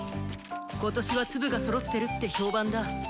今年は粒がそろってるって評判だ。